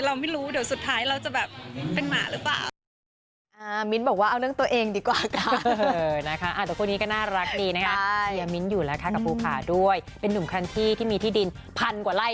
เราไม่รู้เดี๋ยวสุดท้ายเราจะแบบเป็นหมาหรือเปล่า